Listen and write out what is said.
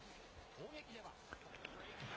攻撃では。